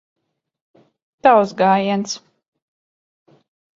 Tavs gājiens.